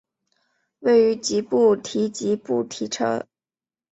位于吉布提吉布提城。